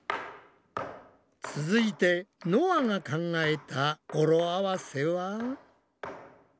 続いてのあが考えた語呂合わせは？